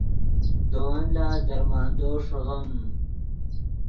دے ون لاست درمندو ݰیغیم